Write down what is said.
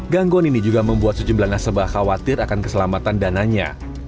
gangguan ini juga membuat sejumlah nasabah khawatir akan keselamatan dananya